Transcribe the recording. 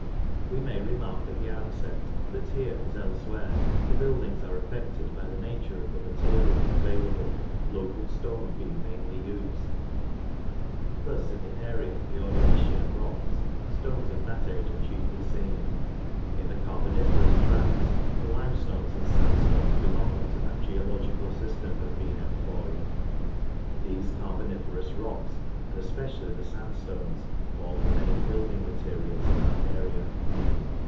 We may remark at the outset that here as elsewhere the buildings are affected by the nature of the materials available, local stone being mainly used. Thus in the area of the Ordovician rocks, stones of that age are chiefly seen; in the Carboniferous tracts, the limestones and sandstones belonging to that geological system have been employed. These Carboniferous rocks, and especially the sandstones, form the main building materials in our area.